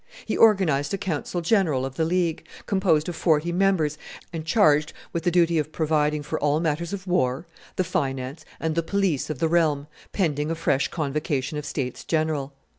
He organized a council general of the League, composed of forty members and charged with the duty of providing for all matters of war, the finance and the police of the realm, pending a fresh convocation of states general.